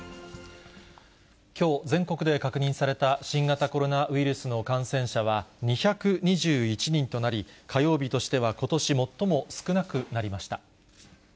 きょう、全国で確認された新型コロナウイルスの感染者は、２２１人となり、火曜日としてはことし最も少なくなりました。